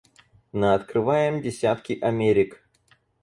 Наоткрываем десятки Америк.